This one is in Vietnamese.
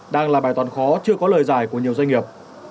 đang là bài toán khó chưa có lời giải của nhiều doanh nghiệp